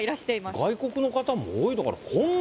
外国の方も多いのかな。